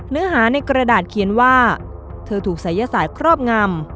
เนื้อหาในกระดาษเขียนว่าเธอถูกศัยศาสตร์ครอบงำ